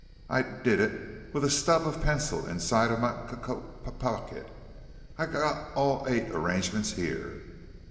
I d did it with a stub of pencil inside my c coat p pocket. I g got all eight arrangements here."